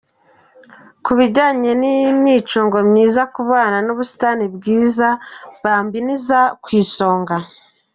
Ku bijyanye n’imyicungo myiza ku bana n’ubusitani bwiza, Bambino iza ku isonga.